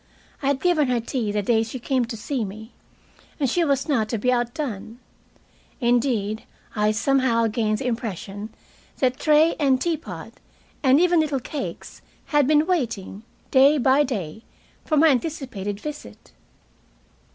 I had given her tea the day she came to see me, and she was not to be outdone. Indeed, I somehow gained the impression that tray and teapot, and even little cakes, had been waiting, day by day, for my anticipated visit.